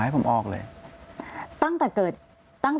ก็คลิปออกมาแบบนี้เลยว่ามีอาวุธปืนแน่นอน